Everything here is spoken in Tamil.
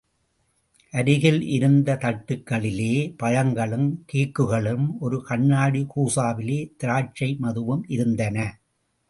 அருகில் இருந்த தட்டுகளிலே, பழங்களும், கேக்குகளும், ஒரு கண்ணாடிக் கூஜாவிலே திராட்சை மதுவும் இருந்தன.